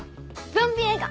ゾンビ映画！